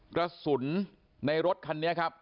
กระสุนในรถคันนี้ครับ